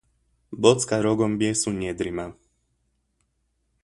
Bocka rogom bijes u njedrima.